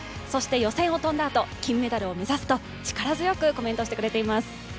そして予選を飛んだあと、金メダルを目指すと力強くコメントしてくれています。